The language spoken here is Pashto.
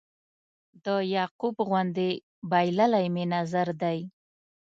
د یعقوب غوندې بایللی مې نظر دی